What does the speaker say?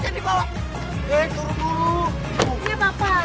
cak itu jalan bina cak jangan dibawa